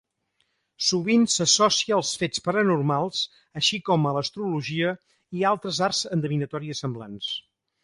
Sovint s'associa als fets paranormals, així com a l'astrologia i altres arts endevinatòries semblants.